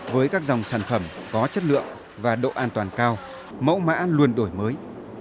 với các dòng sản phẩm có chất lượng và độ an toàn cao mẫu mã luôn đổi mới